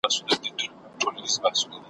له منګولو د پړانګانو د زمریانو `